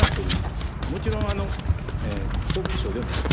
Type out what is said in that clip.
もちろん局所でもですね